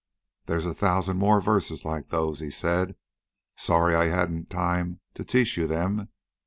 "There's a thousand more verses like those," he said. "Sorry I hadn't time to teach you them."